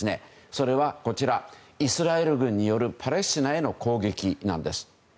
それは、イスラエル軍によるパレスチナへの攻撃なんです。